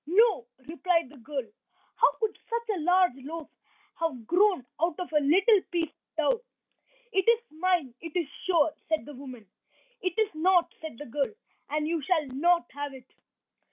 "No," replied the girl. "How could such a large loaf have grown out of a little piece of dough?" "It is mine, it is sure," said the woman. "It is not," said the girl, "and you shall not have it."